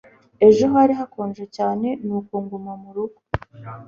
Ejo hari hakonje cyane nuko nguma murugo